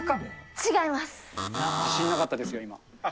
自信なかったですよ、今。